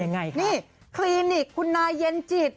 ยังไงคะนี่คลินิกคุณนายเย็นจิต